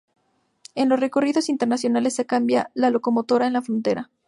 En los recorridos internacionales se cambia la locomotora en la frontera.